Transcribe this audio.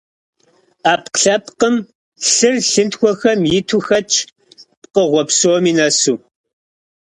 Ӏэпкълъэпкъым лъыр лъынтхуэхэм иту хэтщ, пкъыгъуэ псоми нэсу.